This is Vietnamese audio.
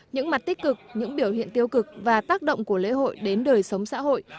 những mặt tích cực những biểu hiện tiêu cực và tác động của lễ hội đến đời sống xã hội